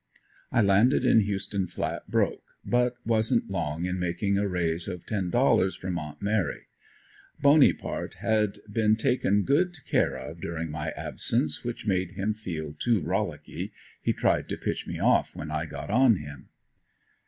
I landed in Houston flat broke, but wasn't long in making a raise of ten dollars from aunt Mary. Boney part had been taken good care of during my absence, which made him feel too rollicky he tried to pitch me off when I got on him.